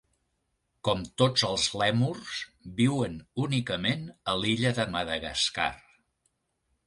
Com tots els lèmurs, viuen únicament a l'illa de Madagascar.